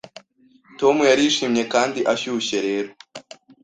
Tom yarishimye kandi ashyushye Rero